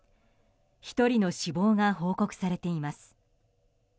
１人の死亡が報告されています。